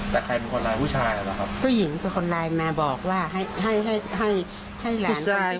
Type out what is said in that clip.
แต่ใครเป็นคนไลน์ผู้ชายหรอครับผู้หญิงเป็นคนไลน์มาบอกว่าให้ให้ให้ให้ให้หลานผู้ชาย